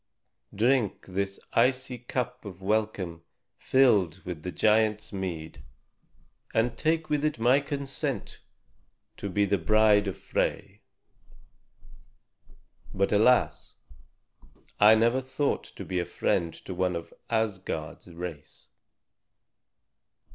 Drink this icy cup of welcome filled with the giant's mead, and take with it my consent to be the bride of Frey. But alas! I never thought to be a friend to one of Asgard's race."